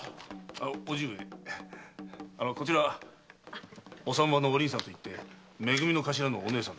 伯父上こちらお産婆のお凛さんといってめ組の頭のお姉さんです。